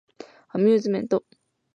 アミューズメント